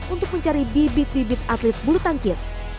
untuk mencari bibit bibit atlet bulu tangkis